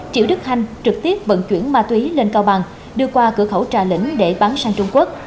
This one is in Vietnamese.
triệu đức khanh trực tiếp vận chuyển ma túy lên cao bằng đưa qua cửa khẩu trà lĩnh để bán sang trung quốc